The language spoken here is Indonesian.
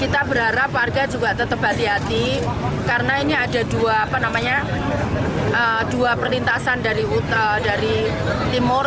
kita berharap warga juga tetap hati hati karena ini ada dua perlintasan dari timur